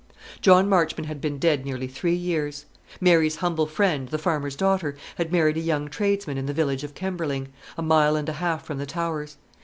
John Marchmont had been dead nearly three years. Mary's humble friend, the farmer's daughter, had married a young tradesman in the village of Kemberling, a mile and a half from the Towers.